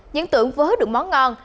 những tưởng vớ hứt được món ngon